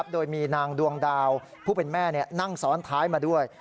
โดยมีนางดวงดาวผู้เป็นแม่นั่งซ้อนท้ายมาด้วย